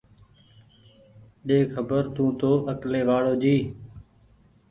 ڏي خبر تونٚ تو اڪلي وآڙو جي